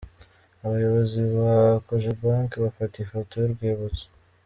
Abayobozi ba Cogebanque bafata ifoto y’urwibutso.